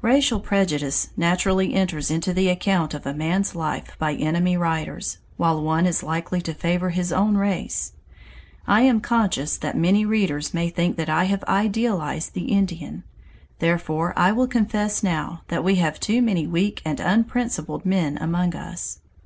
Racial prejudice naturally enters into the account of a man's life by enemy writers, while one is likely to favor his own race. I am conscious that many readers may think that I have idealized the Indian. Therefore I will confess now that we have too many weak and unprincipled men among us.